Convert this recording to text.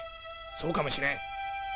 そうかもしれん。